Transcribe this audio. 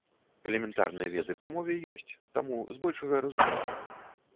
Элементарныя веды па мове ёсць, таму з большага разумею.